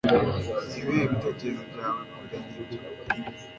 ni ibihe bitekerezo byawe kuri ibyo